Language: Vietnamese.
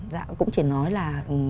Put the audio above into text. dạ cũng chỉ nói là